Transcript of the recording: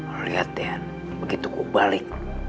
lo lihat dian begitu gua balik